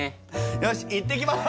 よし行ってきます！